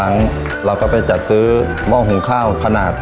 ทางโรงเรียนยังได้จัดซื้อหม้อหุงข้าวขนาด๑๐ลิตร